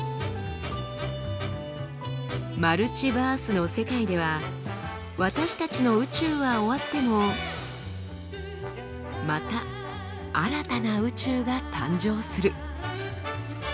マルチバースの世界では私たちの宇宙は終わってもまた新たな宇宙が誕生する。